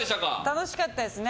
楽しかったですね。